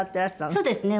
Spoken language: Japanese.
そうですね。